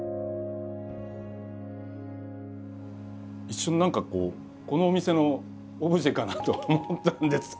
一瞬何かこのお店のオブジェかなと思ったんですけども。